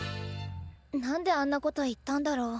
なんであんなこと言ったんだろう。